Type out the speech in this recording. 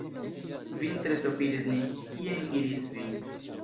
Vin tre sopiris ni, kien iris vi?